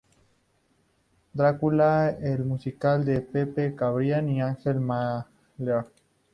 Drácula, el musical de Pepe Cibrián y Ángel Mahler.